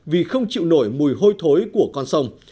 vì không chịu nổi mùi hôi thối của con sông